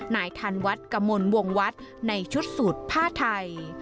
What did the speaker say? นายธันวัฒน์กมลวงวัดในชุดสูตรผ้าไทย